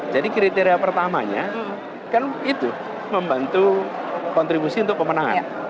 jadi kriteria pertamanya kan itu membantu kontribusi untuk pemenangan